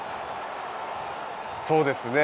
そうですね。